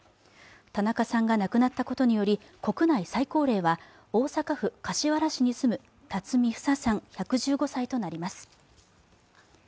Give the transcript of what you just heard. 田中さんが亡くなったことにより国内最高齢は大阪府柏原市に住む巽フサさんとなります。